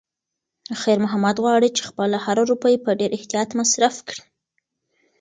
خیر محمد غواړي چې خپله هره روپۍ په ډېر احتیاط مصرف کړي.